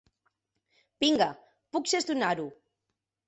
Vinga, puc gestionar-ho.